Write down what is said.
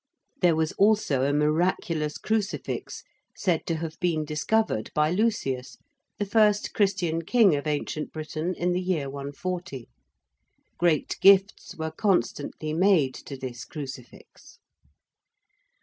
There was also a miraculous crucifix said to have been discovered by Lucius, the first Christian King of ancient Britain in the year 140. Great gifts were constantly made to this crucifix.